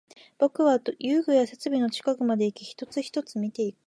僕は遊具や設備の近くまでいき、一つ、一つ見ていく